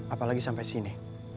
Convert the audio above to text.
apalagi sampai sini